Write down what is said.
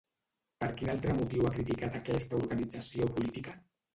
Per quin altre motiu ha criticat aquesta organització política?